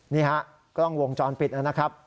นี่ฮะกล้องวงจรปิดนะครับ